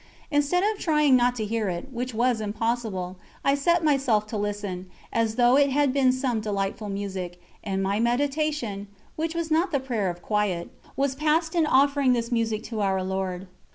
Instead of trying not to hear it, which was impossible, I set myself to listen, as though it had been some delightful music, and my meditation which was not the "prayer of quiet" was passed in offering this music to Our Lord.